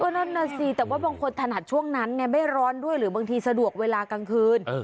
นั่นน่ะสิแต่ว่าบางคนถนัดช่วงนั้นไงไม่ร้อนด้วยหรือบางทีสะดวกเวลากลางคืน